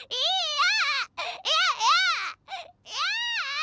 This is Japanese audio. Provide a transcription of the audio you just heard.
嫌！